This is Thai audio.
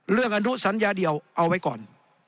เรื่องอนุสัญญาเดี่ยวเอาไว้ก่อน